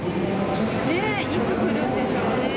ねえ、いつ来るんでしょうね。